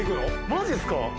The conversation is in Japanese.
マジっすか？